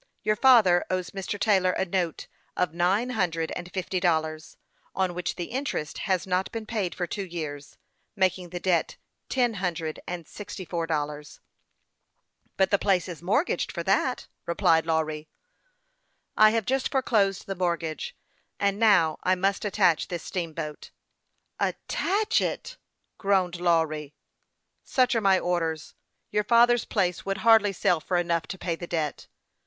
" Your father owes Mr. Taylor a note of nine hundred and fifty dollars, on which the interest has not been paid for two years, making the debt ten hundred and sixty four dollars." " But the place is mortgaged for that," replied Lawry, who could not see what he had to do with the debt. " I have just foreclosed the mortgage ; and now I must attach this steamboat." " Attach it !" groaned Lawry. " Such are my orders ; your father's place would hardly sell for enough to pay the debt."